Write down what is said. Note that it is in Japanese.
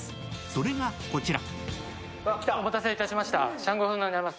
それがこちら。